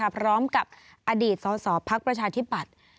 พร้อมกับอดีตสอภักดิ์ประชาธิบัติ